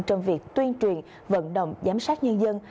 trong việc tuyên truyền vận động giám sát nhân dân